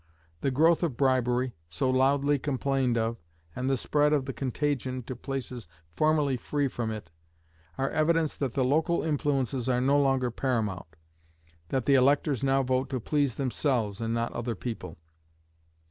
The growth of bribery, so loudly complained of, and the spread of the contagion to places formerly free from it, are evidence that the local influences are no longer paramount; that the electors now vote to please themselves, and not other people.